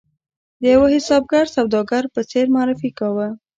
د یوه حسابګر سوداګر په څېر معرفي کاوه.